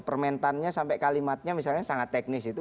permentannya sampai kalimatnya misalnya sangat teknis itu